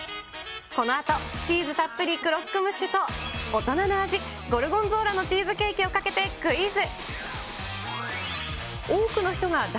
このあと、チーズたっぷりクロックムッシュと、大人の味、ゴルゴンゾーラのチーズケーキをかけてクイズ。